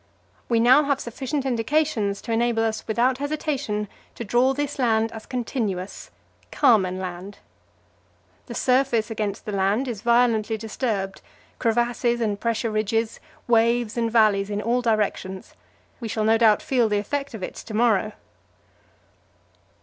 We now have sufficient indications to enable us without hesitation to draw this land as continuous Carmen Land. The surface against the land is violently disturbed crevasses and pressure ridges, waves and valleys, in all directions. We shall no doubt feel the effect of it to morrow."